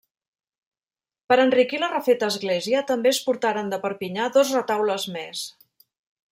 Per enriquir la refeta església també es portaren de Perpinyà dos retaules més.